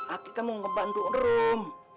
aki kan mau ngebantu rum